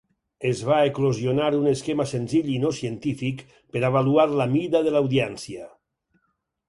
Es va eclosionar un esquema senzill i no científic per avaluar la mida de l'audiència.